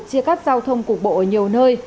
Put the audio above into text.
chia cắt giao thông cục bộ ở nhiều nơi